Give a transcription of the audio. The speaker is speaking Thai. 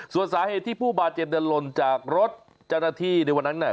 ส่วนสาเหตุที่ผู้บาดเจ็บเดินหล่นจากรถเจ้าหน้าที่ในวันนั้นเนี่ย